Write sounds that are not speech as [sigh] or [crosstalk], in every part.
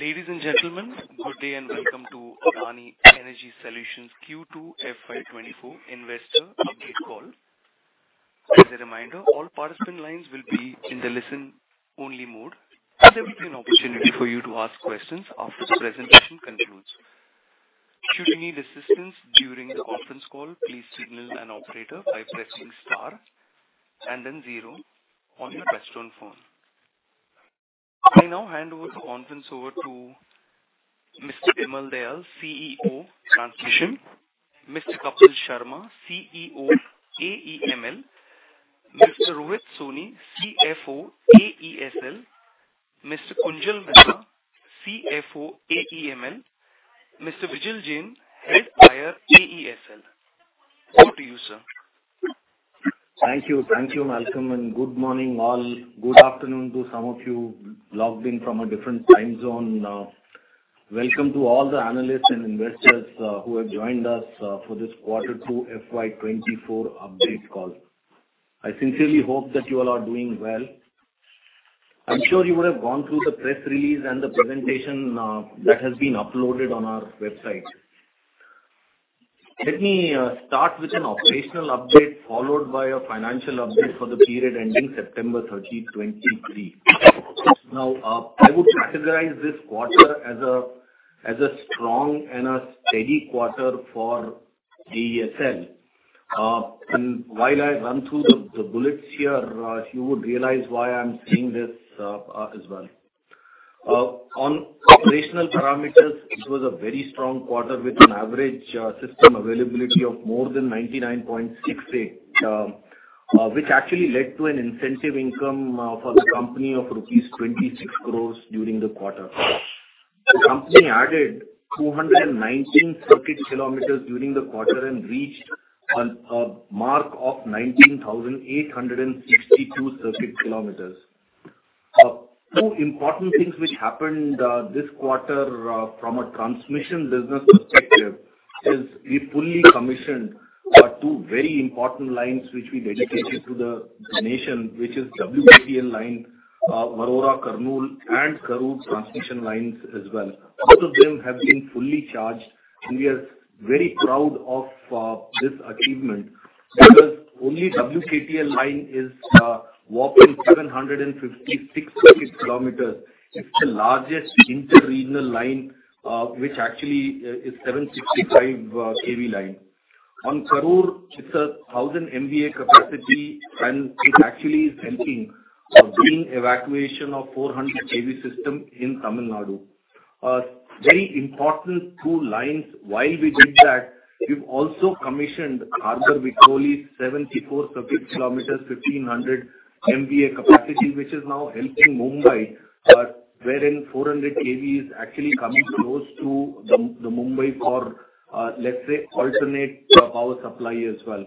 Ladies and gentlemen, good day and welcome to Adani Energy Solutions Q2 FY 2024 Investor Update Call. As a reminder, all participant lines will be in the listen-only mode, and there will be an opportunity for you to ask questions after the presentation concludes. Should you need assistance during the conference call, please signal an operator by pressing star and then zero on your touchtone phone. I now hand over the conference over to Mr. Bimal Dayal, CEO, Transmission, Mr. Kapil Sharma, CEO, AEML, Mr. Rohit Soni, CFO, AESL, Mr. Kunjal Mehta, CFO, AEML, Mr. Vijay Jain, Head IR, AESL. Over to you, sir. Thank you. Thank you, Malcolm, and good morning, all. Good afternoon to some of you logged in from a different time zone. Welcome to all the analysts and investors who have joined us for this quarter 2 FY 2024 update call. I sincerely hope that you all are doing well. I'm sure you would have gone through the press release and the presentation that has been uploaded on our website. Let me start with an operational update, followed by a financial update for the period ending September 30, 2023. Now, I would categorize this quarter as a strong and a steady quarter for AESL. And while I run through the bullets here, you would realize why I'm saying this, as well. On operational parameters, it was a very strong quarter with an average system availability of more than 99.68, which actually led to an incentive income for the company of rupees 26 crore during the quarter. The company added 219 circuit kilometers during the quarter and reached on a mark of 19,862 circuit kilometers. Two important things which happened this quarter from a transmission business perspective is we fully commissioned two very important lines, which we dedicated to the nation, which is WKTL line, Warora-Kurnool, and Karur transmission lines as well. Both of them have been fully charged, and we are very proud of this achievement because only WKTL line is whopping 756 circuit kilometers. It's the largest interregional line, which actually is 765 kV line. On Karur, it's 1,000 MVA capacity, and it actually is helping green evacuation of 400 kV system in Tamil Nadu. Very important two lines. While we did that, we've also commissioned Kharghar-Vikhroli, 74 ckm, 1,500 MVA capacity, which is now helping Mumbai, wherein 400 kV is actually coming close to the, the Mumbai for, let's say, alternate power supply as well.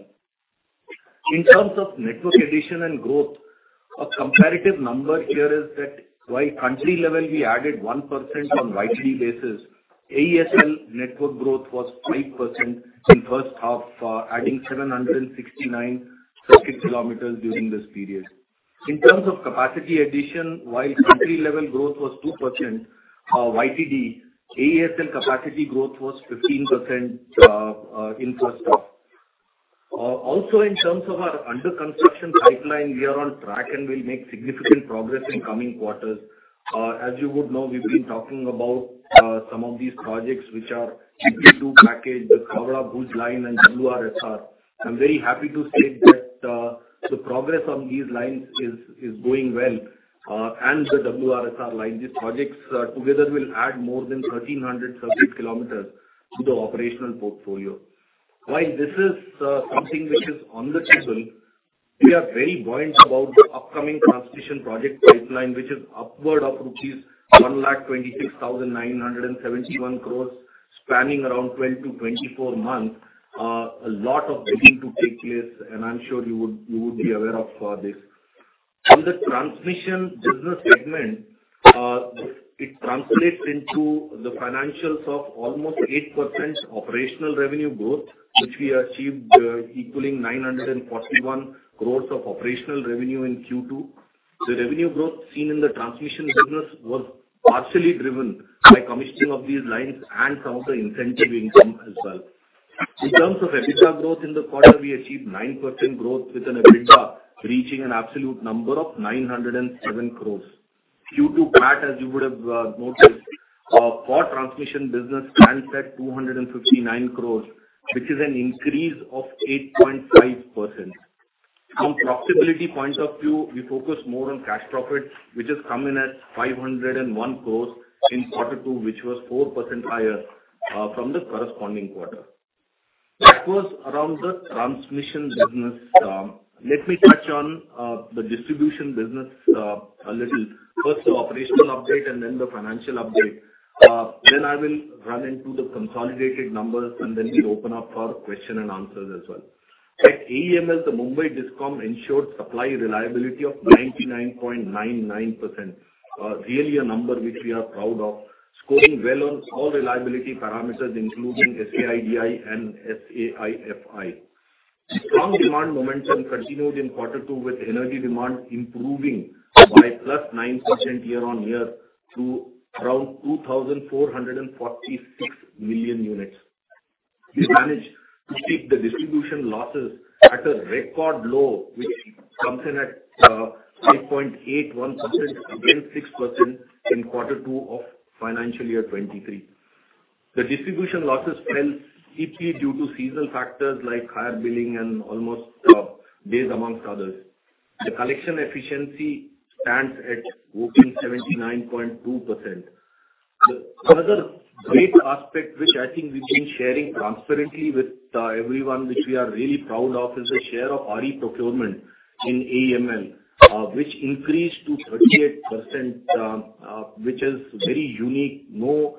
In terms of network addition and growth, a comparative number here is that while country level we added 1% on YTD basis, AESL network growth was 5% in first half, adding 769 ckm during this period. In terms of capacity addition, while country level growth was 2%, YTD, AESL capacity growth was 15% in first half. Also, in terms of our under construction pipeline, we are on track, and we'll make significant progress in coming quarters. As you would know, we've been talking about some of these projects which are EP2 package, the Khavda-Bhuj line, and WRSS. I'm very happy to state that the progress on these lines is going well, and the WRSS line. These projects together will add more than 1,300 circuit kilometers to the operational portfolio. While this is something which is on the table, we are very buoyant about the upcoming transmission project pipeline, which is upward of rupees 126,971 crore, spanning around 12-24 months. A lot of bidding to take place, and I'm sure you would, you would be aware of, this. On the transmission business segment, it translates into the financials of almost 8% operational revenue growth, which we achieved, equaling 941 crores of operational revenue in Q2. The revenue growth seen in the transmission business was partially driven by commissioning of these lines and some of the incentive income as well. In terms of EBITDA growth in the quarter, we achieved 9% growth, with an EBITDA reaching an absolute number of 907 crores. Q2 PAT, as you would have noticed, for transmission business stands at 259 crores, which is an increase of 8.5%. From profitability point of view, we focus more on cash profit, which has come in at 501 crore in quarter two, which was 4% higher from the corresponding quarter. That was around the transmission business. Let me touch on the distribution business a little. First, the operational update and then the financial update. Then I will run into the consolidated numbers, and then we'll open up for question and answers as well. At AEML, the Mumbai Discom ensured supply reliability of 99.99%. Really a number which we are proud of, scoring well on all reliability parameters, including SAIDI and SAIFI. Strong demand momentum continued in quarter two, with energy demand improving by 9%+ year-on-year to around 2,446 million units. We managed to keep the distribution losses at a record low, which comes in at 8.81%, against 6% in quarter two of financial year 2023. The distribution losses fell deeply due to seasonal factors like higher billing and almost days, amongst others. The collection efficiency stands at 99.2%. The other great aspect, which I think we've been sharing transparently with everyone, which we are really proud of, is the share of RE procurement in AEML, which increased to 38%, which is very unique. No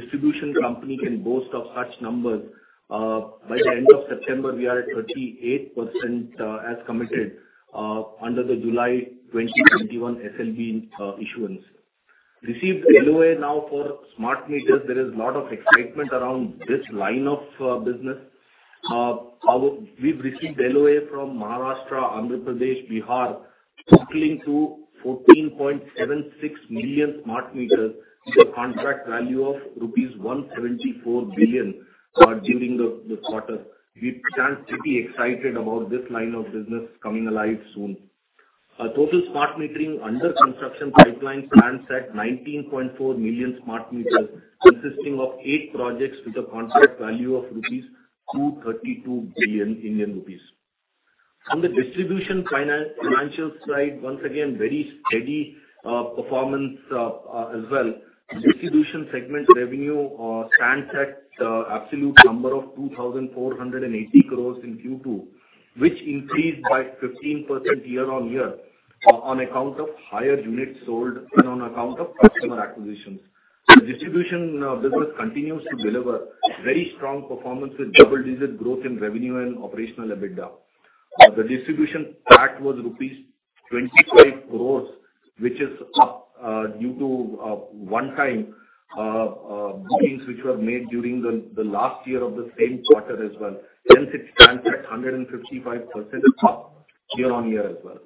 distribution company can boast of such numbers. By the end of September, we are at 38%, as committed under the July 2021 SLB issuance. Received LOA now for smart meters. There is a lot of excitement around this line of business. We've received LOA from Maharashtra, Andhra Pradesh, Bihar, totaling 14.76 million smart meters, with a contract value of rupees 174 billion during the quarter. We stand pretty excited about this line of business coming alive soon. Our total smart metering under construction pipeline stands at 19.4 million smart meters, consisting of eight projects with a contract value of 232 billion Indian rupees. On the distribution financial side, once again, very steady performance, as well. Distribution segment revenue stands at an absolute number of 2,480 crores in Q2, which increased by 15% year-on-year, on account of higher units sold and on account of customer acquisitions. The distribution business continues to deliver very strong performance with double-digit growth in revenue and operational EBITDA. The distribution tax was rupees 25 crore, which is up, due to one-time bookings, which were made during the, the last year of the same quarter as well. Hence, it stands at 155% up year-on-year as well.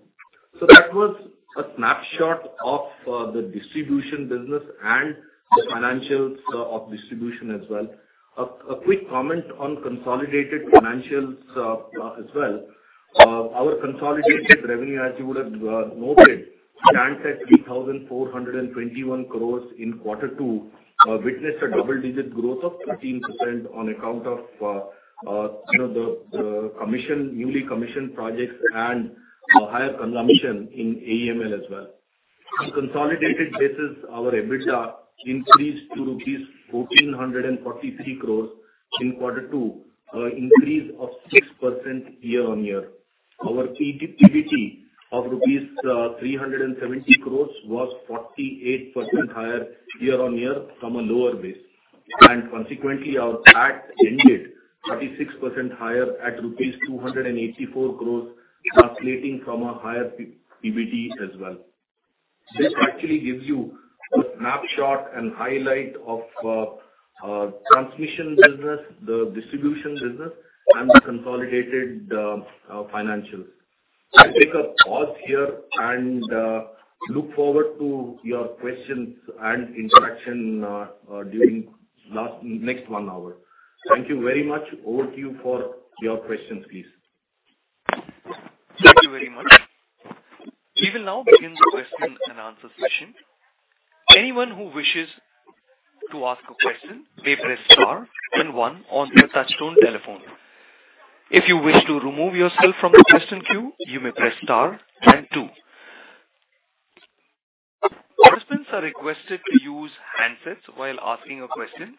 So that was a snapshot of the distribution business and the financials of distribution as well. A quick comment on consolidated financials, as well. Our consolidated revenue, as you would've noted, stands at 3,421 crore in quarter two, witnessed a double-digit growth of 13% on account of, you know, the, the commission, newly commissioned projects and higher consumption in AEML as well. On consolidated basis, our EBITDA increased to rupees 1,443 crore in quarter two, increase of 6% year-on-year. Our PBT of INR 370 crores was 48% higher year-on-year from a lower base, and consequently, our PAT ended 36% higher at rupees 284 crores, translating from a higher PBT as well. This actually gives you a snapshot and highlight of transmission business, the distribution business, and the consolidated financials. I'll take a pause here and look forward to your questions and interaction during next one hour. Thank you very much. Over to you for your questions, please. Thank you very much. We will now begin the question and answer session. Anyone who wishes to ask a question, may press star and one on their touchtone telephone. If you wish to remove yourself from the question queue, you may press star and two. Participants are requested to use handsets while asking a question.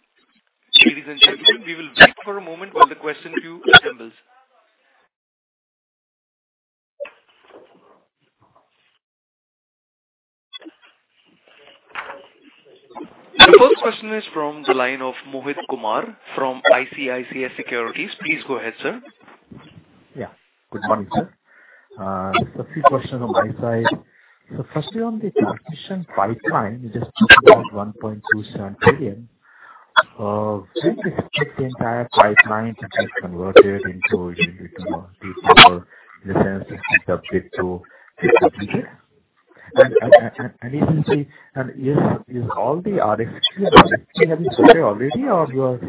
Ladies and gentlemen, we will wait for a moment while the question queue assembles. The first question is from the line of Mohit Kumar from ICICI Securities. Please go ahead, sir. Yeah. Good morning, sir. A few questions on my side. So firstly, on the transmission pipeline, you just talked about 1.27 trillion. Do you expect the entire pipeline to get converted into, you know, deals in the sense, subject to? [audio distortion] And additionally, is all the RFP actually have been surveyed already or you are...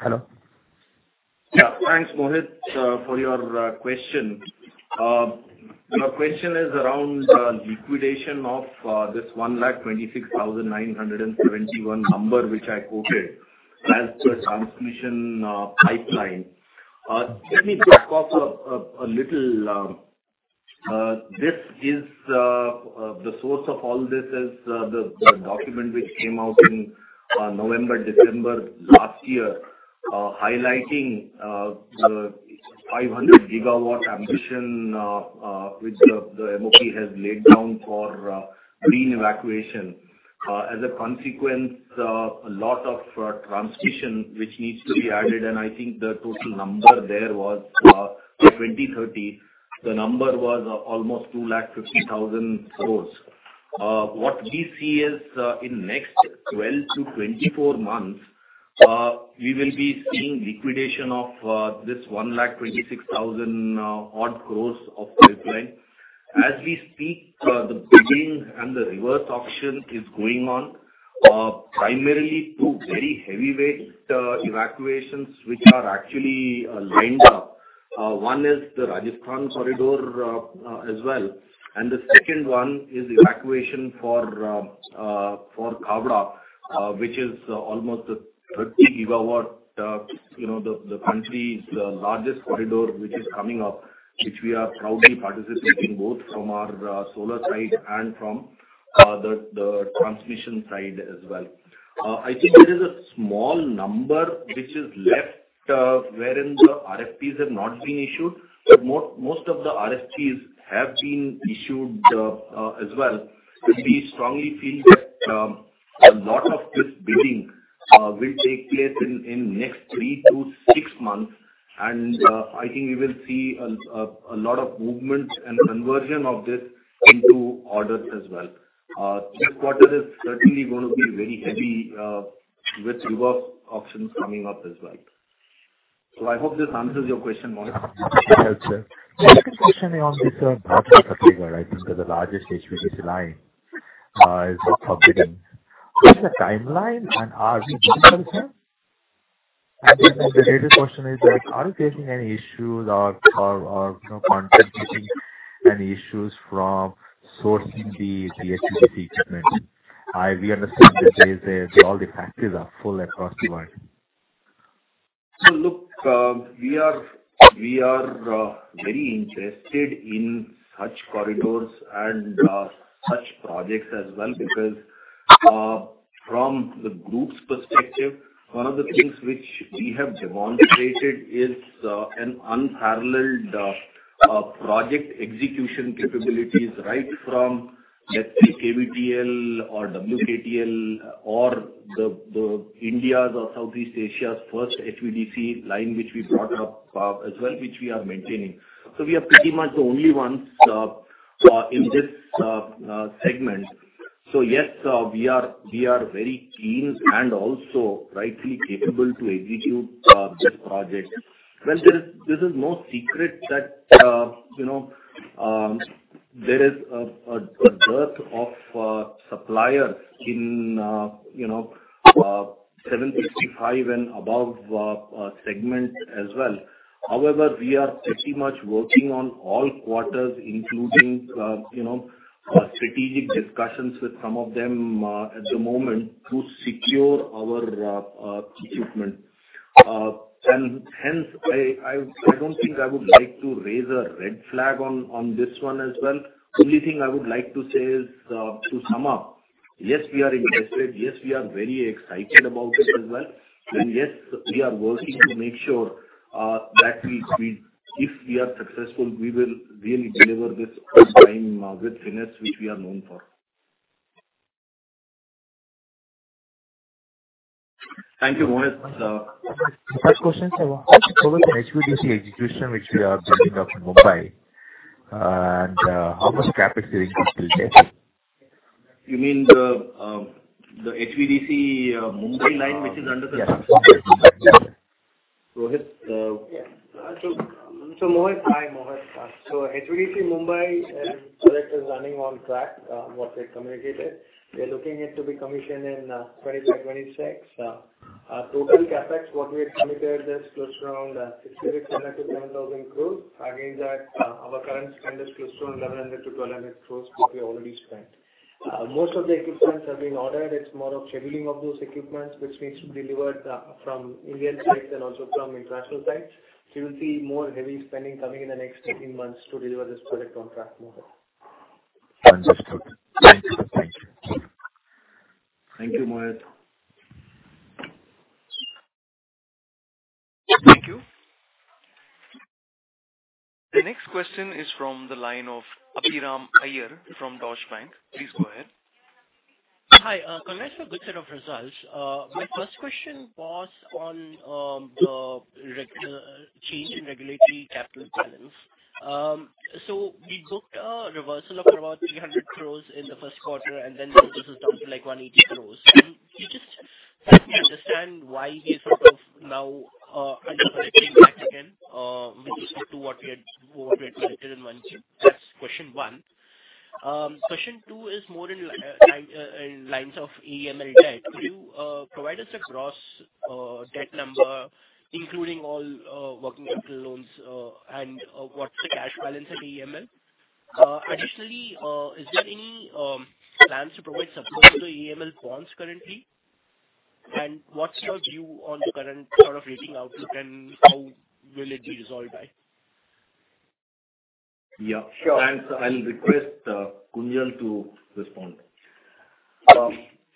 Hello? Yeah. Thanks, Mohit, for your question. Your question is around liquidation of this 126,971 number, which I quoted as the transmission pipeline. Let me back off a little. This is the source of all this is the document which came out in November, December last year, highlighting the 500 GW ambition, which the MOP has laid down for green evacuation. As a consequence, a lot of transmission which needs to be added, and I think the total number there was 2030, the number was almost 250,000 crore. What we see is, in next 12-24 months, we will be seeing liquidation of this 26,000-odd crore of pipeline. As we speak, the bidding and the reverse auction is going on, primarily two very heavyweight evacuations, which are actually lined up. One is the Rajasthan corridor, as well, and the second one is evacuation for for Khavda, which is almost a 30 GW, you know, the country's largest corridor, which is coming up, which we are proudly participating, both from our solar side and from the transmission side as well. I think there is a small number which is left, wherein the RFPs have not been issued, but most of the RFPs have been issued, as well. We strongly feel that a lot of this bidding will take place in next three to six months, and I think we will see a lot of movement and conversion of this into orders as well. This quarter is certainly going to be very heavy with reverse auctions coming up as well. So I hope this answers your question, Mohit. Yes, sir. Second question on this project, I think, that the largest HVDC line is up and running. What is the timeline, and are you good with it? And then the related question is that, are you facing any issues or, you know, contracting any issues from sourcing the HVDC equipment? We understand that all the factories are full across the world. So look, we are, we are, very interested in such corridors and, such projects as well, because, from the group's perspective, one of the things which we have demonstrated is, an unparalleled, project execution capabilities, right from, let's say, KVTL or WKTL or the, the India's or Southeast Asia's first HVDC line, which we brought up, as well, which we are maintaining. So we are pretty much the only ones, in this, segment. So yes, we are, we are very keen and also rightly capable to execute, this project. Well, there is... This is no secret that, you know, there is a, a, a dearth of, suppliers in, you know, 765 and above, segment as well. However, we are pretty much working on all quarters, including, you know, strategic discussions with some of them at the moment to secure our equipment. And hence, I don't think I would like to raise a red flag on this one as well. Only thing I would like to say is, to sum up, yes, we are interested; yes, we are very excited about it as well; and, yes, we are working to make sure that we, if we are successful, we will really deliver this on time with finesse, which we are known for. Thank you, Mohit. The first question, so what is the HVDC execution, which we are building up in Mumbai? And how much capital is still there? You mean the HVDC Mumbai line, which is under the- Yes. Rohit, so, so Mohit, hi, Mohit. So HVDC Mumbai project is running on track, what we had communicated. We are looking it to be commissioned in 2025, 2026. Total CapEx, what we had communicated is close to around 6,000-7,000 crore. Again, that, our current spend is close to 1,100-1,200 crore, which we already spent. Most of the equipments have been ordered. It's more of scheduling of those equipments, which needs to be delivered from Indian sites and also from international sites. So you will see more heavy spending coming in the next 18 months to deliver this project on track, Mohit. Understood. Thank you. Thank you. Thank you, Mohit. Thank you. The next question is from the line of Abhiram Iyer from Deutsche Bank. Please go ahead. Hi, congratulations on the results. My first question was on the regulatory change in regulatory capital balance. So we booked a reversal of about 300 crore in the first quarter, and then this is down to, like, 180 crore. Can you just help me understand why we are sort of now under the same again with respect to what we had, what we had collected in one? That's question one. Question two is more in lines of AEML debt. Could you provide us a gross debt number, including all working capital loans, and what's the cash balance at AEML? Additionally, is there any plans to provide support to the AEML bonds currently? What's your view on the current sort of rating outlook, and how will it be resolved by? Yeah. Sure. I'll request Kunjal to respond.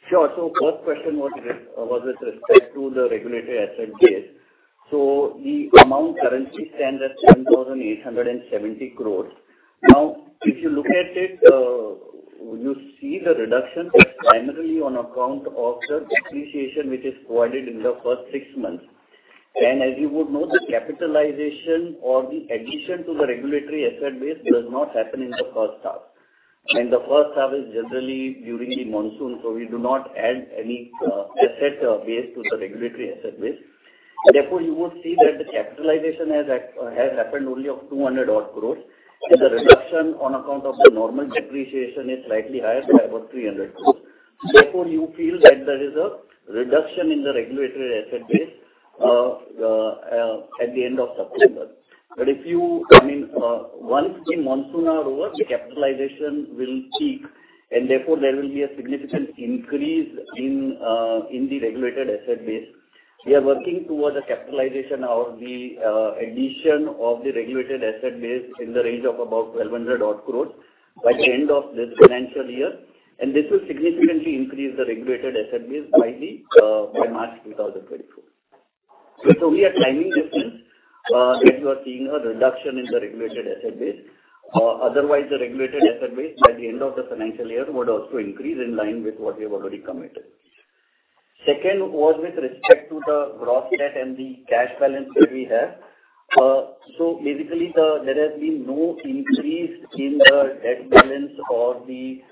Sure. First question was with respect to the regulatory asset base. The amount currently stands at 10,870 crore. Now, if you look at it. You see the reduction is primarily on account of the depreciation, which is provided in the first six months. And as you would know, the capitalization or the addition to the regulatory asset base does not happen in the first half. And the first half is generally during the monsoon, so we do not add any asset base to the regulatory asset base. Therefore, you would see that the capitalization has happened only of 200 odd crore, and the reduction on account of the normal depreciation is slightly higher, so about 300 crore. Therefore, you feel that there is a reduction in the regulatory asset base at the end of September. But if you, I mean, once the monsoon are over, the capitalization will peak, and therefore there will be a significant increase in the regulated asset base. We are working towards the capitalization or the addition of the regulated asset base in the range of about 1,200 crore by the end of this financial year, and this will significantly increase the regulated asset base by March 2024. It's only a timing difference that you are seeing a reduction in the regulated asset base. Otherwise, the regulated asset base by the end of the financial year would also increase in line with what we have already committed. Second, was with respect to the gross debt and the cash balance that we have. So basically there has been no increase in the debt balance or the,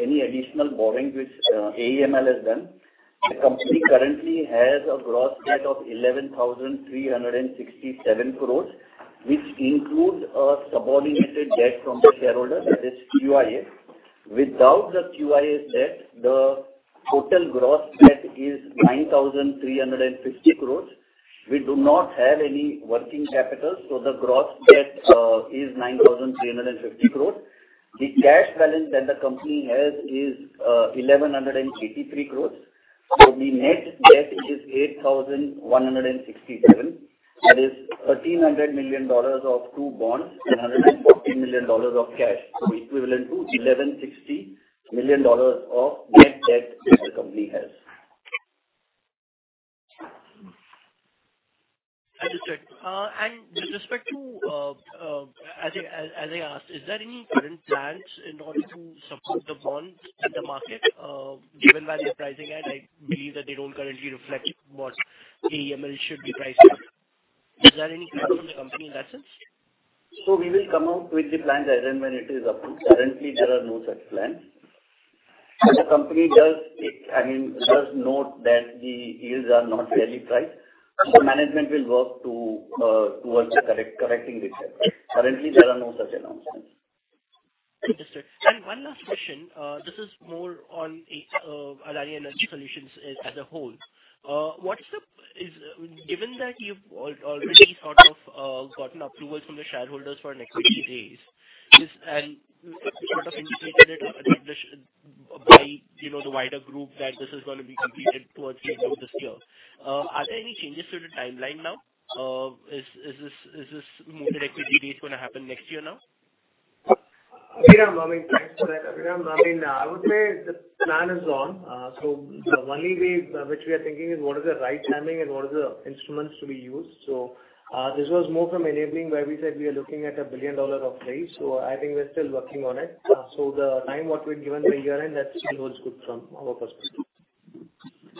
any additional borrowing which, AEML has done. The company currently has a gross debt of 11,367 crores, which includes a subordinated debt from the shareholder, that is, QIA. Without the QIA debt, the total gross debt is 9,350 crores. We do not have any working capital, so the gross debt is 9,350 crores. The cash balance that the company has is 1,183 crores. So the net debt is 8,167 crores, that is $1,300 million of two bonds, and $140 million of cash, so equivalent to $1,160 million of net debt that the company has. Understood. And with respect to, as I asked, is there any current plans in order to support the bonds in the market, given value pricing, and I believe that they don't currently reflect what AEML should be pricing? Is there any plan from the company in that sense? So we will come out with the plan as and when it is approved. Currently, there are no such plans. The company does, I mean, does note that the yields are not fairly priced. So management will work towards correcting the same. Currently, there are no such announcements. Understood. One last question, this is more on Adani Energy Solutions as a whole. Given that you've already sort of gotten approval from the shareholders for an equity raise, and you sort of indicated it by, you know, the wider group, that this is gonna be completed towards the end of this year. Are there any changes to the timeline now? Is this more equity raise gonna happen next year now? Abhiram, I mean, thanks for that. Abhiram, I mean, I would say the plan is on. So the only way, which we are thinking is what is the right timing and what are the instruments to be used. So, this was more from enabling, where we said we are looking at a $1 billion raise. So I think we're still working on it. So the time what we've given by year-end, that still holds good from our perspective.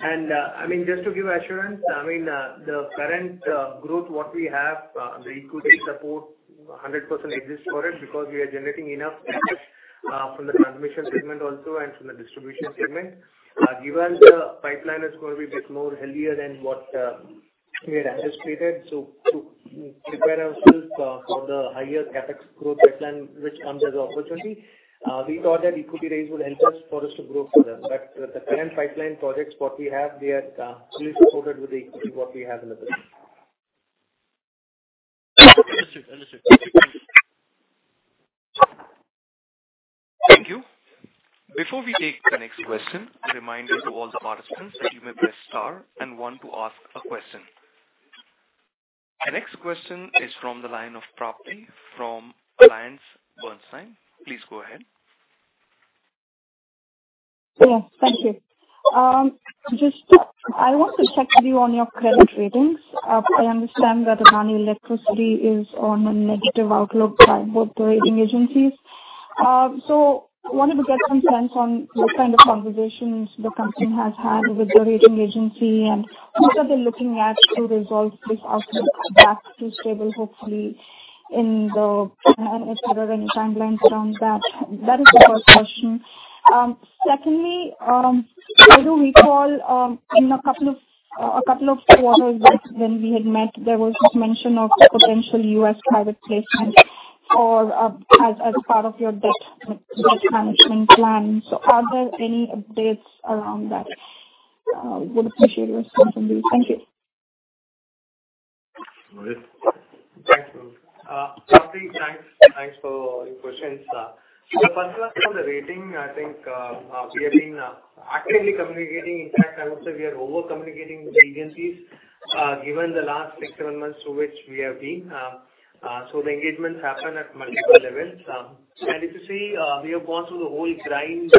And, I mean, just to give assurance, I mean, the current, growth, what we have, the equity support 100% exists for it, because we are generating enough cash, from the transmission segment also and from the distribution segment. Given the pipeline is going to be bit more healthier than what we had anticipated, so to prepare ourselves for the higher CapEx growth pipeline, which comes as an opportunity, we thought that equity raise would help us for us to grow further. But the current pipeline projects, what we have, they are fully supported with the equity what we have in the business. Understood. [audio distortion] Thank you. Before we take the next question, a reminder to all the participants that you may press star and one to ask a question. The next question is from the line of Prapti from AllianceBernstein. Please go ahead. Yeah, thank you. I want to check with you on your credit ratings. I understand that Adani Electricity is on a negative outlook by both the rating agencies. So wanted to get some sense on what kind of conversations the company has had with the rating agency, and what are they looking at to resolve this outlook back to stable, hopefully. And if there are any timelines around that. That is the first question. Secondly, I do recall in a couple of quarters back when we had met, there was this mention of potential U.S. private placement as part of your debt management plan. So are there any updates around that? Would appreciate your response on this. Thank you. Thanks. Prapti, thanks. Thanks for your questions. So first of all, the rating, I think, we have been actively communicating. In fact, I would say we are over-communicating with the agencies, given the last six to seven months through which we have been. So the engagements happen at multiple levels. And if you see, we have gone through the whole grind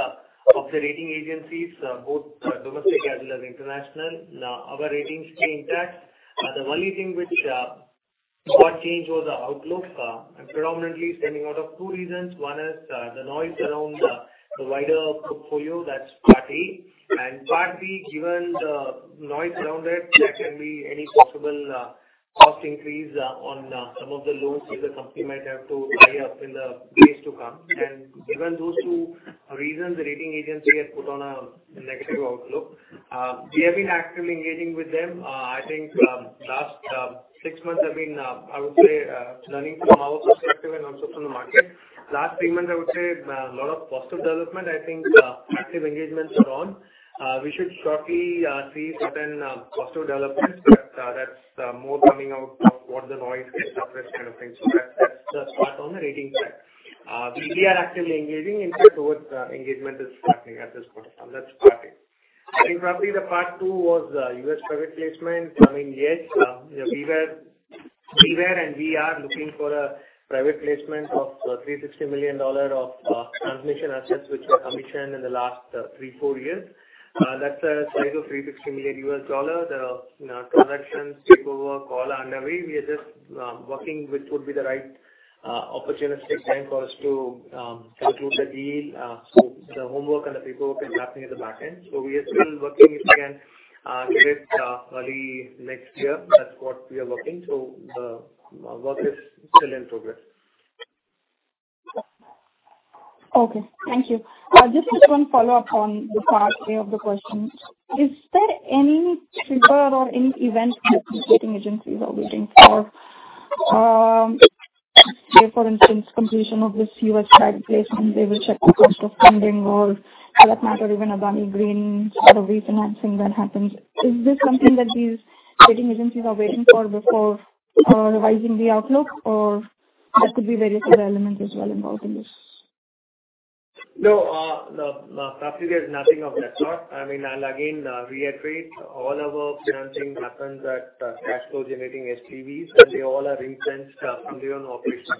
of the rating agencies, both domestic as well as international. Now, our ratings remain intact. The only thing which... What changed was the outlook, and predominantly stemming out of two reasons. One is, the noise around the, the wider portfolio, that's part A. Part B, given the noise around it, there can be any possible cost increase on some of the loans that the company might have to tie up in the days to come. Given those two reasons, the rating agency has put on a negative outlook. We have been actively engaging with them. I think last six months have been, I would say, learning from our perspective and also from the market. Last three months, I would say, a lot of positive development. I think active engagements are on. We should shortly see certain positive developments, but that's more coming out of what the noise is, that kind of thing. So that's the part on the rating side. We are actively engaging and towards, engagement is starting at this point in time. That's part A. I think probably the part two was, U.S. private placement. I mean, yes, we were, we were and we are looking for a private placement of, $360 million of transmission assets, which were commissioned in the last, three, four years. That's a size of $360 million. The, you know, transactions, paperwork, all are underway. We are just, working with would be the right, opportunistic time for us to, conclude the deal. So the homework and the paperwork is happening at the back end. So we are still working, if we can, get, early next year. That's what we are working. So the, work is still in progress. Okay, thank you. Just one follow-up on the part A of the question. Is there any trigger or any event that the rating agencies are waiting for? Say, for instance, completion of this U.S. private placement, they will check the cost of funding or for that matter, even a Adani Green or a refinancing that happens. Is this something that these rating agencies are waiting for before revising the outlook, or there could be various other elements as well involved in this? No, no, Prapti, there's nothing of that sort. I mean, I'll again, reiterate, all our financing happens at, cash flow generating SPVs, and they all are recent, on their own operations.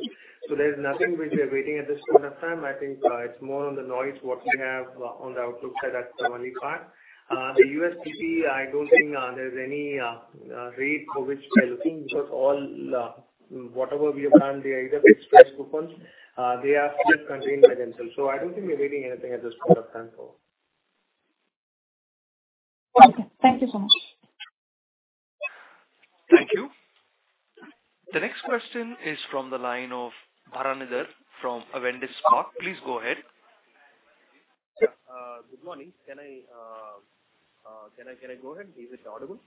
So there's nothing which we are waiting at this point of time. I think, it's more on the noise, what we have on the outlook side, that's the only part. The USPP, I don't think, there's any, rate for which we are looking, because all, whatever we have done, they either express coupons, they are just contained by themselves. So I don't think we're waiting anything at this point of time for. Okay. Thank you so much. Thank you. The next question is from the line of Bharanidhar from Avendus Spark. Please go ahead. Good morning. Can I go ahead? Is it audible?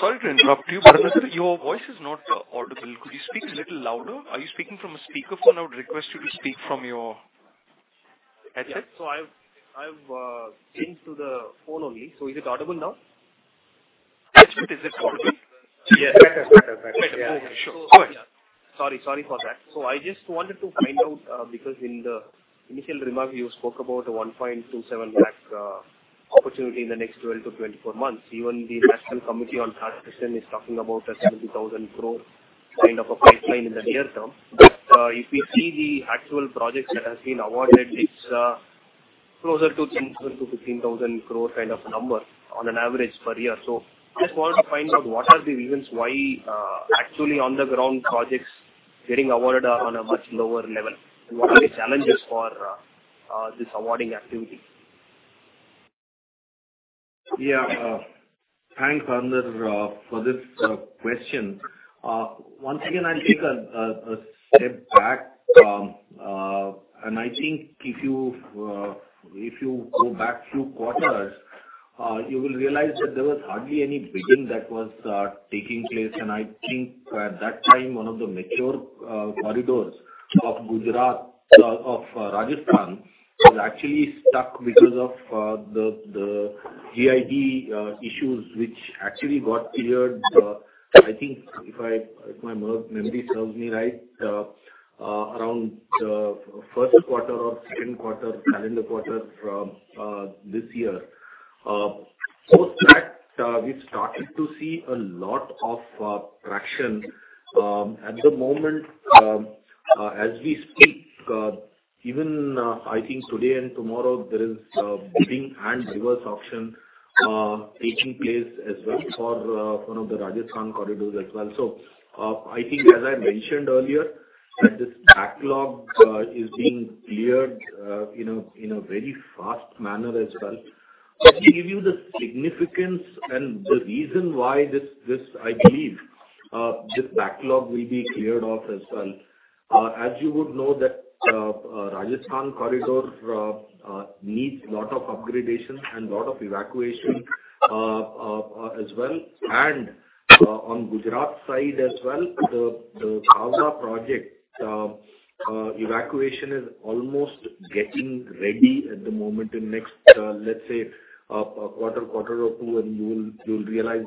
Sorry to interrupt you, Bharanidhar. Your voice is not audible. Could you speak a little louder? Are you speaking from a speaker phone? I would request you to speak from your headset. So I've changed to the phone only. So is it audible now? Headset, is it audible? Yes. Better, better, better. Yeah, sure. Go ahead. Sorry, sorry for that. So I just wanted to find out, because in the initial remarks, you spoke about a 127,000 crore opportunity in the next 12-24 months. Even the National Committee on Electrification is talking about a 70,000 crore kind of a pipeline in the near term. But, if we see the actual projects that have been awarded, it's closer to 10,000-15,000 crore kind of number on an average per year. So I just wanted to find out, what are the reasons why, actually on the ground, projects getting awarded on a much lower level? And what are the challenges for, this awarding activity? Yeah. Thanks, Bharanidhar, for this question. Once again, I'll take a step back. I think if you go back few quarters, you will realize that there was hardly any bidding that was taking place. And I think at that time, one of the mature corridors of Gujarat, of Rajasthan was actually stuck because of the GIB issues, which actually got cleared, I think if my memory serves me right, around the first quarter or second quarter, calendar quarter from this year. Post that, we've started to see a lot of traction. At the moment, as we speak, even, I think today and tomorrow, there is bidding and reverse auction taking place as well for one of the Rajasthan corridors as well. So, I think as I mentioned earlier, that this backlog is being cleared, you know, in a very fast manner as well. Let me give you the significance and the reason why this, this, I believe, this backlog will be cleared off as well. As you would know that, Rajasthan corridor needs a lot of upgradation and lot of evacuation as well. And, on Gujarat side as well, the, the Khavda project evacuation is almost getting ready at the moment. In next, let's say, quarter or two, and you will, you'll realize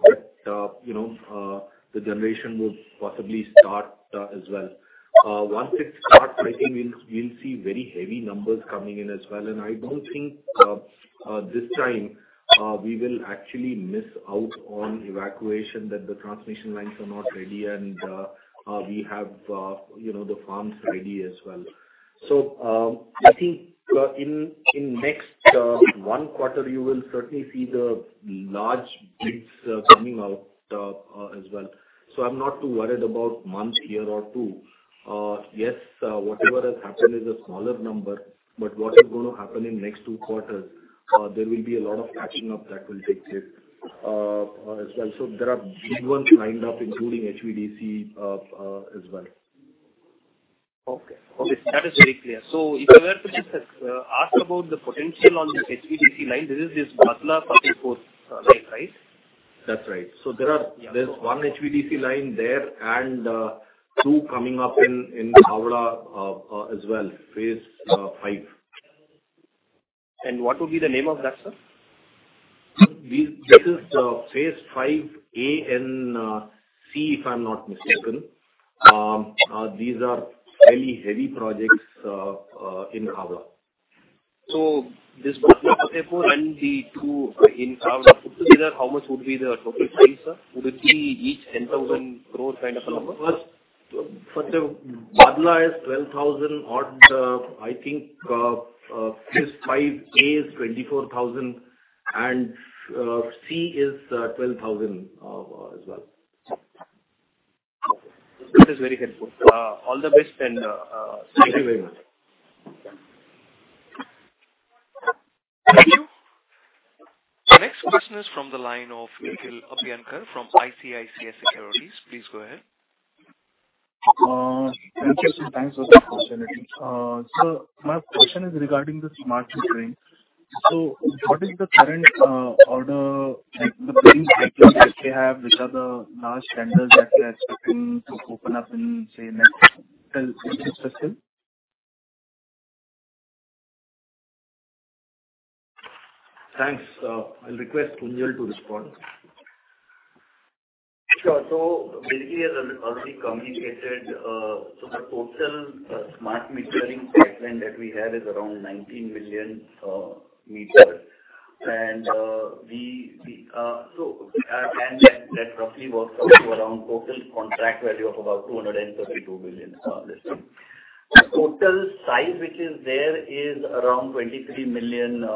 that, you know, the generation will possibly start, as well. Once it starts, I think we'll see very heavy numbers coming in as well, and I don't think, this time we will actually miss out on evacuation, that the transmission lines are not ready, and we have, you know, the farms ready as well. So I think in next one quarter, you will certainly see the large bids coming out as well. So I'm not too worried about months, year or two. Yes, whatever has happened is a smaller number, but what is going to happen in next two quarters, there will be a lot of catching up that will take place as well. So there are big ones lined up, including HVDC as well. Okay. Okay, that is very clear. So if I were to just ask about the potential on the HVDC line, this is this Bhadla-Fatehgarh line, right? That's right. So there are- Yeah. There's one HVDC line there and two coming up in Khavda as well, phase 5. What would be the name of that, sir? This is phase 5A and C, if I'm not mistaken. These are fairly heavy projects in Khavda. So this Bhadla-Fatehgarh and the two in Khavda. Put together, how much would be the total price, sir? Would it be each 10,000 crore kind of a number? First, for the Bhadla is 12,000, or the... I think phase 5A is 24,000, and C is 12,000 as well. This is very helpful. All the best, and thank you very much. Thank you. The next question is from the line of Nikhil Abhyankar from ICICI Securities. Please go ahead. Thank you, sir, thanks for the opportunity. So my question is regarding the smart metering. So what is the current order, like, the bidding cycles that they have, which are the large tenders that they are expecting to open up in, say, next fiscal year? Thanks. I'll request Kunjal to respond. Sure. So basically, as already communicated, so the total smart metering pipeline that we have is around 19 million meters. And that roughly works out to around total contract value of about 232 billion this thing. The total size, which is there, is around 23 million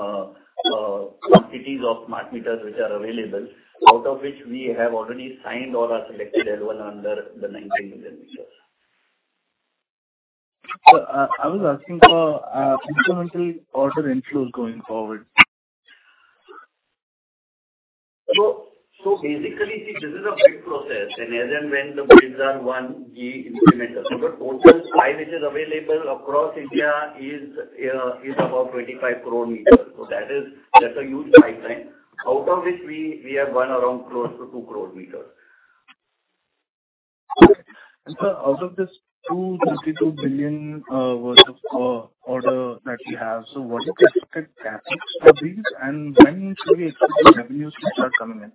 quantities of smart meters which are available, out of which we have already signed or are selected as well under the 19 million meters. Sir, I was asking for incremental order inflows going forward. So basically, see, this is a bid process, and as and when the bids are won, we implement them. But the total size which is available across India is about 25 crore meters. So that is—that's a huge pipeline, out of which we have won around close to 2 crore meters. Sir, out of this 252 billion worth of order that you have, so what is the expected CapEx for these? And when should we expect the revenues to start coming in?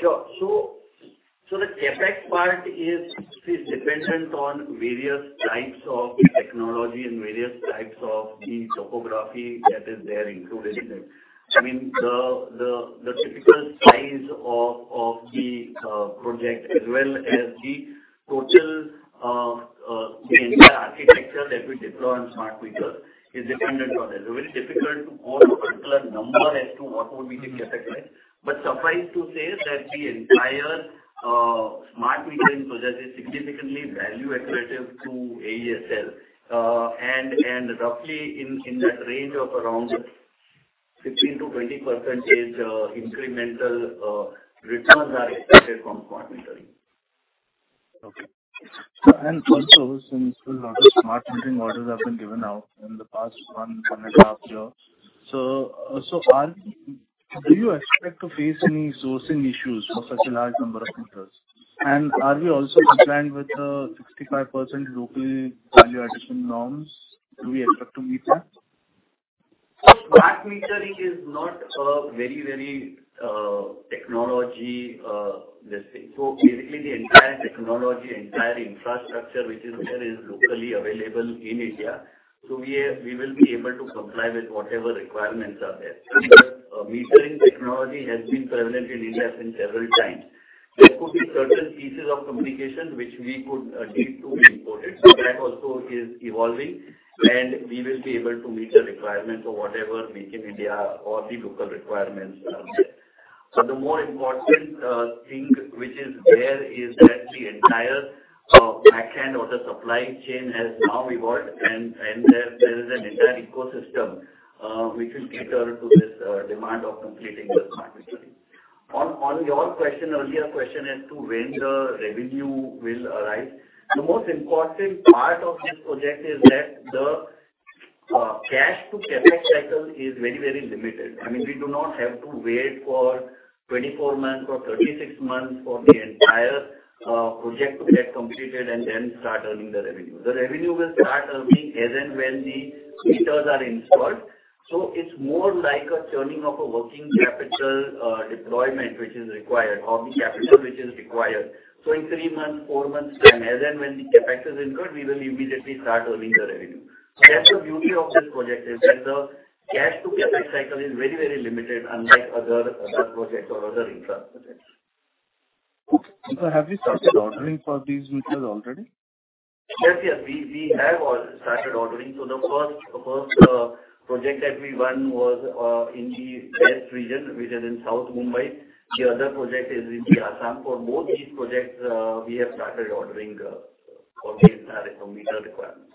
Sure. So the CapEx part is dependent on various types of technology and various types of the topography that is there included in it. I mean, the typical size of the project as well as the total the entire architecture that we deploy on smart meter is dependent on that. It's very difficult to quote a particular number as to what would be the CapEx, right? But suffice to say that the entire smart metering project is significantly value accretive to AESL. And roughly in that range of around 15%-20% incremental returns are expected from smart metering. Okay. So and also, since a lot of smart metering orders have been given out in the past 1.5 years, so are we—do you expect to face any sourcing issues for such a large number of meters? And are we also compliant with the 65% local value addition norms? Do we expect to meet that? Smart metering is not a very, very technology, let's say. So basically, the entire technology, entire infrastructure, which is there, is locally available in India, so we will be able to comply with whatever requirements are there. Metering technology has been prevalent in India since several times. There could be certain pieces of communication which we could need to import it, so that also is evolving, and we will be able to meet the requirements of whatever Make in India or the local requirements are there. So the more important thing which is there is that the entire back end or the supply chain has now evolved, and there is an entire ecosystem which will cater to this demand of completing the smart metering. On your earlier question as to when the revenue will arise, the most important part of this project is that the cash to CapEx cycle is very, very limited. I mean, we do not have to wait for 24 months or 36 months for the entire project to get completed and then start earning the revenue. The revenue will start earning as and when the meters are installed, so it's more like a churning of a working capital deployment, which is required or the capital which is required. So in three months, four months time, as and when the CapEx is incurred, we will immediately start earning the revenue. That's the beauty of this project, is that the cash to CapEx cycle is very, very limited, unlike other projects or other infra projects. So have you started ordering for these meters already? Yes, yes, we have or started ordering. So the first project that we won was in the west region, which is in South Mumbai. The other project is in Assam. For both these projects, we have started ordering for meter, for meter requirements.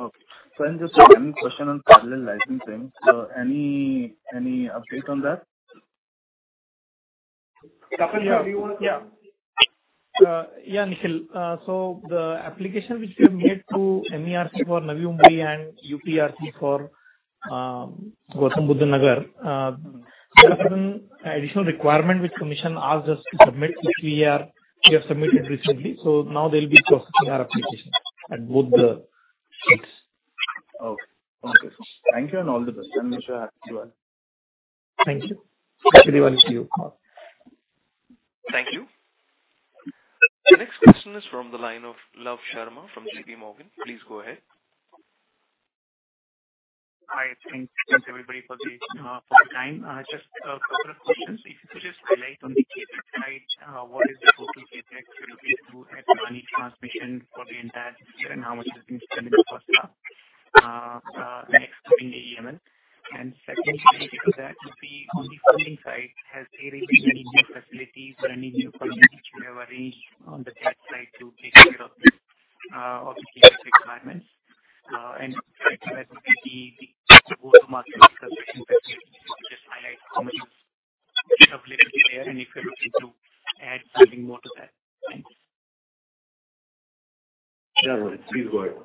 Okay. So and just one question on parallel licensing. So any update on that? Kapil, do you want to- Yeah. Yeah, yeah, Nikhil. So the application which we have made to MERC for Navi Mumbai and UPERC for, Gautam Buddha Nagar, there are certain additional requirement which commission asked us to submit, which we are, we have submitted recently. So now they'll be processing our application at both the sites. Okay. Okay, thank you and all the best, and wish you well. Thank you. Thank you, everyone. See you. Thank you. The next question is from the line of Love Sharma from J.P. Morgan. Please go ahead. Hi, thanks. Thanks, everybody, for the, for the time. Just a couple of questions. If you could just highlight on the CapEx side, what is the total CapEx you are looking to at Transmission for the entire year, and how much has been spent in the first half? Next in the AEML. And secondly to that would be on the funding side, has there been any new facilities or any new funding which you have arranged on the debt side to take care of, of the CapEx requirements? And third one would be the go-to-market construction facility. Just highlight how much is available there, and if you're looking to add something more to that. Thanks. Sure, please go ahead.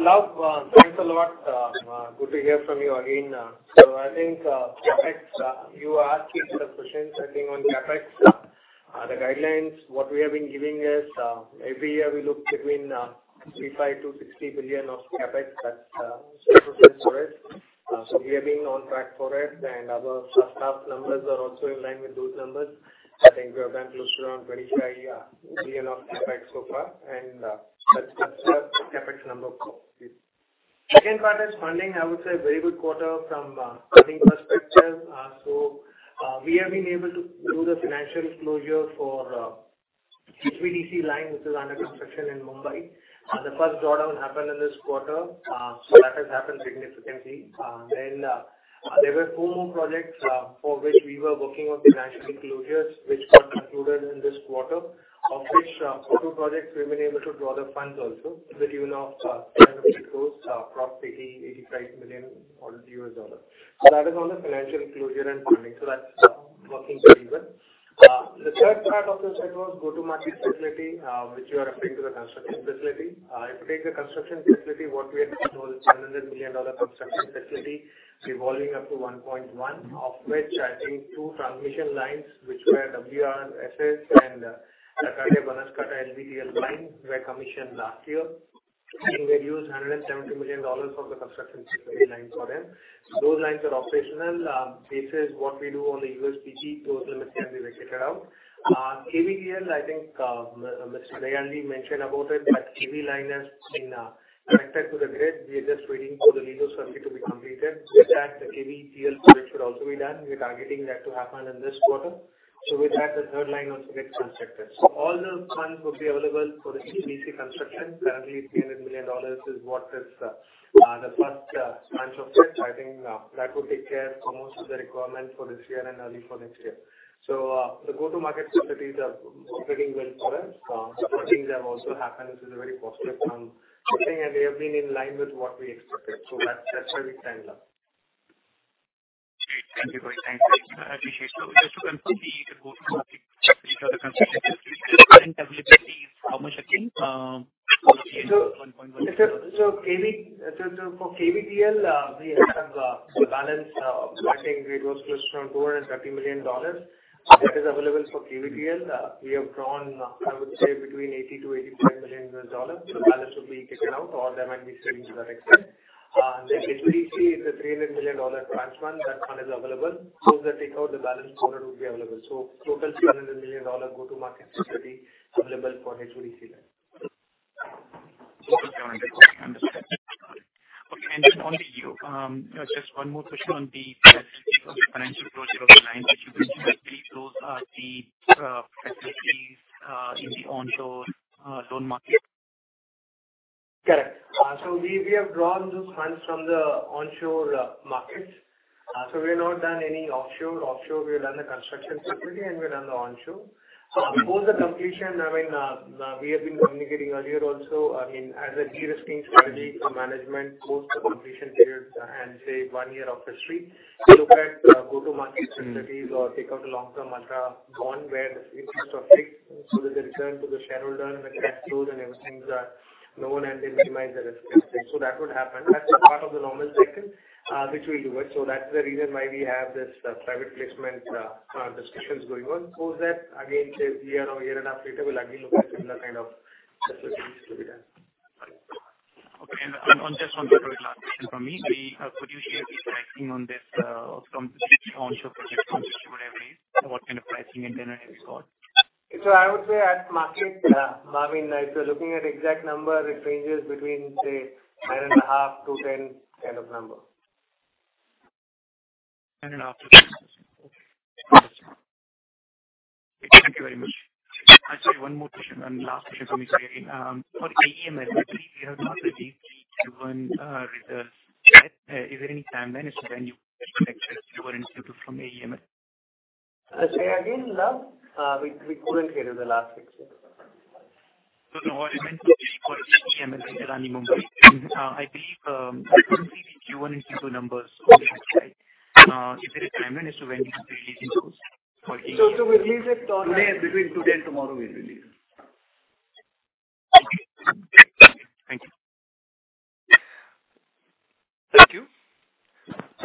Love, thanks a lot. Good to hear from you again. So I think, CapEx, you are asking the questions, I think, on CapEx. The guidelines, what we have been giving is, every year we look between 35 billion-60 billion of CapEx. That's for it. So we have been on track for it, and our first half numbers are also in line with those numbers. I think we have done close to around 25 billion of CapEx so far, and that's our CapEx number. Second part is funding. I would say very good quarter from funding perspective. So we have been able to do the financial closure for HVDC line, which is under construction in Mumbai. The first drawdown happened in this quarter, so that has happened significantly. Then, there were four more projects, for which we were working on the financial closures, which got concluded in this quarter, of which, two projects we've been able to draw the funds also to the tune of, approximately $85 million. So that is on the financial closure and funding, so that's, working very well. The third part of this was go-to-market facility, which you are referring to the construction facility. If you take the construction facility, what we have seen was $700 million construction facility evolving up to $1.1 billion, of which I think two transmission lines, which were WRSS and, Lakadia-Banaskantha LBTL line, were commissioned last year. And we used $170 million from the construction facility line for them. Those lines are operational. This is what we do on the USPP. Those limits can be vacated out. KVTL, I think, Mr. Dayal mentioned about it, that KV line has been connected to the grid. We are just waiting for the LILO circuit to be completed. With that, the KVTL project should also be done. We are targeting that to happen in this quarter. So with that, the third line also gets constructed. So all the funds will be available for the HVDC construction. Currently, $300 million is what is the first tranche of it. I think that would take care for most of the requirement for this year and early for next year. So the go-to-market facilities are working well for us. The projections have also happened, which is a very positive turn, I think, and they have been in line with what we expected. So that's where we stand, Love. Great. Thank you very much. I appreciate. So just to confirm, the go-to-market, each of the companies, how much again? 1.1. So for KVTL, we have a balance, I think it was close to $230 million. That is available for KVTL. We have drawn, I would say, between $80 million-$85 million. The balance will be kicked out or there might be some direct pay. Then HVDC is a $300 million tranche one. That fund is available, so that take out the balance quarter would be available. So total $300 million go-to-market facility available for HVDC line. Understood. Okay, and then on to you. Just one more question on the financial closure of the line, which you mentioned, those are the facilities in the onshore loan market? Correct. So we have drawn those funds from the onshore markets. So we have not done any offshore. Offshore, we have done the construction facility, and we've done the onshore. So before the completion, I mean, we have been communicating earlier also, I mean, as a de-risking strategy for management, post the completion period and say one year of the street, look at go-to-market facilities or take out a long-term ultra bond, where the interest are fixed, so that the return to the shareholder and the tax rules and everything are known, and they minimize the risk. So that would happen. That's a part of the normal cycle, which we'll do it. So that's the reason why we have this private placement discussions going on. That again, say, a year or a year and a half later, we'll again look at similar kind of facilities to be done. Okay. And on, just one last question from me. Could you share the pricing on this onshore project, on what average, what kind of pricing and then have you got? So I would say at market, I mean, if you're looking at exact number, it ranges between, say, 9.5-10 kind of number. Then after this. Okay, thank you very much. I'm sorry, one more question and last question from me. For AEML, we have not received Q1 results. Is there any timeline as to when you expect from AEML? Again, we couldn't get it in the last six years. So no, I meant for AEML, Mumbai. I believe, I couldn't see the Q1 numbers. So, is there a timeline as to when you will be releasing those? So, we'll release it today. Between today and tomorrow, we'll release. Okay. Thank you. Thank you.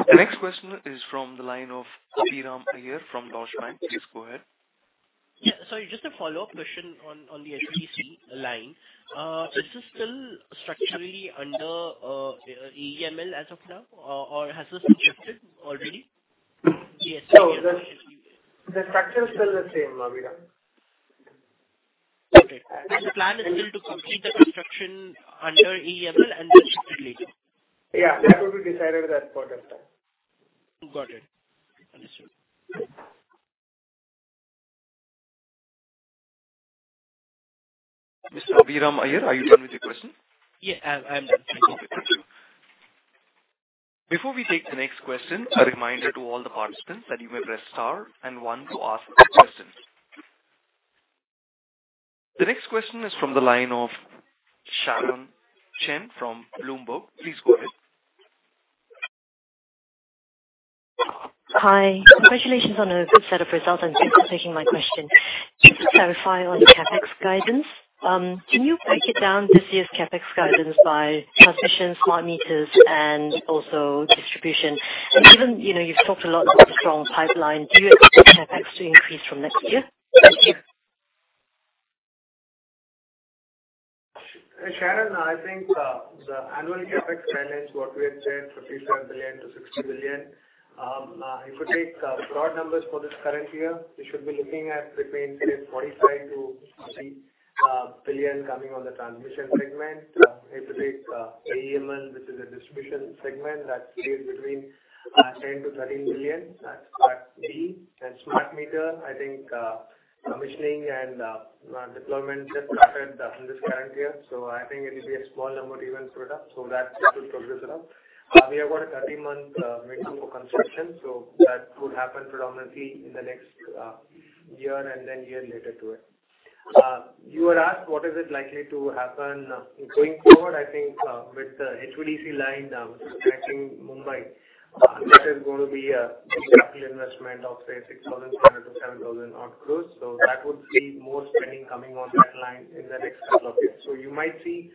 The next question is from the line of Abhiram Iyer from Deutsche Bank. Please go ahead. Yeah. Sorry, just a follow-up question on the HVDC line. Is this still structurally under AEML as of now, or has this shifted already? Yes. So the structure is still the same, Abhiram. Okay. The plan is still to complete the construction under AEML and then shift it later. Yeah, that will be decided at that point of time. Got it. Understood. Mr. Abhiram Iyer, are you done with your question? Yeah, I'm done. Thank you. Before we take the next question, a reminder to all the participants that you may press star and one to ask a question. The next question is from the line of Sharon Chen from Bloomberg. Please go ahead. Hi. Congratulations on a good set of results, and thanks for taking my question. Just to clarify on CapEx guidance, can you break it down this year's CapEx guidance by transmission, smart meters, and also distribution? Given, you know, you've talked a lot about a strong pipeline, do you expect CapEx to increase from next year? Thank you. Sharon, I think, the annual CapEx guidance, what we had said, 57 billion-60 billion. If you take, broad numbers for this current year, we should be looking at between 45 billion-50 billion coming on the transmission segment. If you take, AEML, which is a distribution segment, that's between, 10 billion-13 billion. That's part B. And smart meter, I think, commissioning and, deployment just started, in this current year, so I think it will be a small number even for that. So that should progress it up. We have got a 30-month, minimum for construction, so that would happen predominantly in the next, year and then year later to it. You were asked what is it likely to happen going forward? I think, with the HVDC line connecting Mumbai, that is going to be a capital investment of say, 6,000-7,000 odd crore. So that would see more spending coming on that line in the next couple of years. So you might see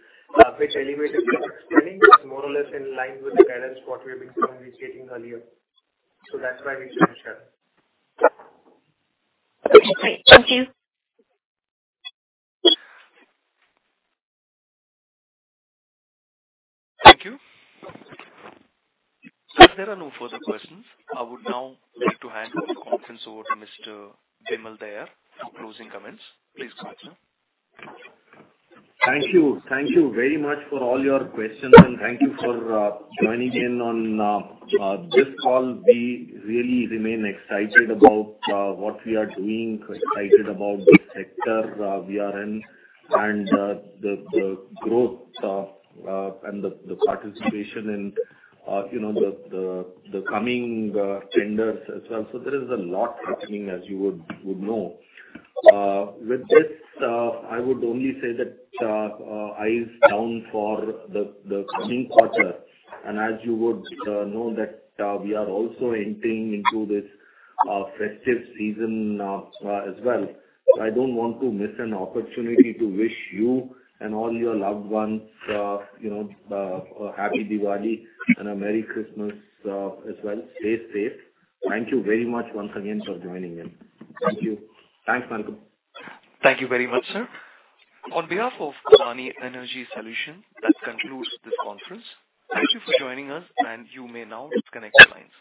a bit elevated spending, more or less in line with the guidance, what we've been communicating earlier. So that's why we said, Sharon. Okay, great. Thank you. Thank you. So if there are no further questions, I would now like to hand the conference over to Mr. Bimal Dayal for closing comments. Please go ahead, sir. Thank you. Thank you very much for all your questions, and thank you for joining in on this call. We really remain excited about what we are doing, excited about the sector we are in, and the growth and the participation in you know the coming tenders as well. So there is a lot happening, as you would know. With this, I would only say that eyes down for the coming quarter. And as you would know that we are also entering into this festive season as well. I don't want to miss an opportunity to wish you and all your loved ones you know a Happy Diwali and a Merry Christmas as well. Stay safe. Thank you very much once again for joining in. Thank you. Thanks, Malcolm. Thank you very much, sir. On behalf of Adani Energy Solutions, that concludes this conference. Thank you for joining us, and you may now disconnect your lines.